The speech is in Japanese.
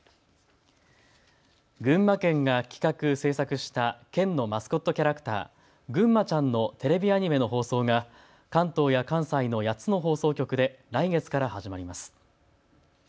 群馬県が企画・制作した県のマスコットキャラクター、ぐんまちゃんのテレビアニメの放送が関東や関西の８つの放送局で来月から始まります。